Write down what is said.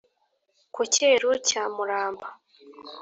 Ku Cyeru cya Muramba